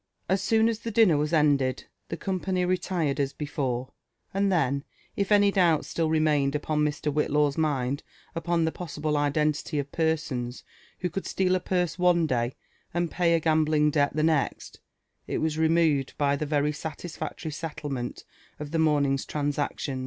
As soon as the dinner was ended, the company retired as before ; and then, if any doub(s still remained upon Mr. Whillaw's rnind upon the possible identity of persons who could steal a purse one day and pay a gambling debt (he next, it was removed by the very satisfactory seltiemen of the morning*s'transac(ion.